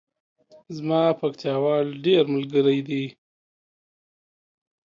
زما پکتیاوال ډیر ملګری دی